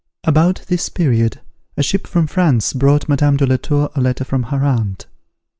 About this period a ship from France brought Madame de la Tour a letter from her aunt.